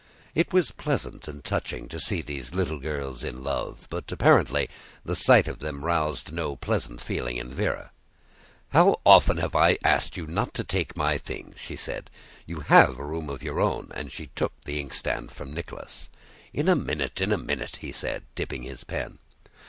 It was pleasant and touching to see these little girls in love; but apparently the sight of them roused no pleasant feeling in Véra. "How often have I asked you not to take my things?" she said. "You have a room of your own," and she took the inkstand from Nicholas. "In a minute, in a minute," he said, dipping his pen.